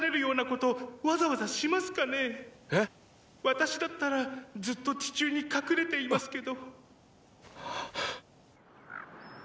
私だったらずっと地中に隠れていますけど。